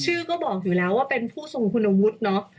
ชื่อก็บอกอยู่แล้วว่าเป็นผู้ทรงคุณวุฒิเนาะ